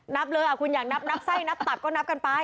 นับเลยคุณอยากนับนับไส้นับตับก็นับกันไป